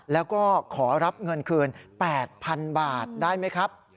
แล้วก็ขอรับเงินคืน๘๐๐๐บาทได้ไหมครับ